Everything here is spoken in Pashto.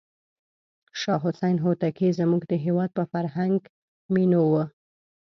شاه حسین هوتکی زموږ د هېواد په فرهنګ مینو و.